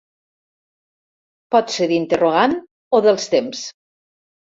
Pot ser d'interrogant o dels temps.